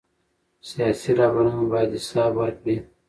سیاسي رهبران باید حساب ورکړي